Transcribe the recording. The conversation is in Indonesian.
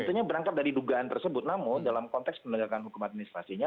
tentunya berangkat dari dugaan tersebut namun dalam konteks penegakan hukum administrasinya